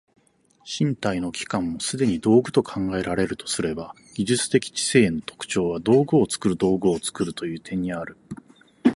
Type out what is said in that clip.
身体の器官もすでに道具と考えられるとすれば、技術的知性の特徴は道具を作る道具を作るという点にある。